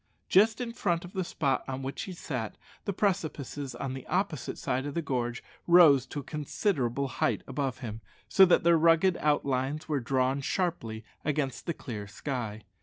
Just in front of the spot on which he sat, the precipices on the opposite side of the gorge rose to a considerable height above him, so that their ragged outlines were drawn sharply across the clear sky.